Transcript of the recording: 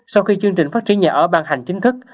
sau khi chương trình phát triển nhà ở ban hành chính thức